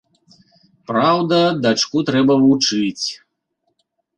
Праўда, дачку трэба вучыць.